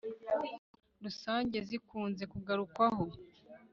rusange zikunze kugarukwaho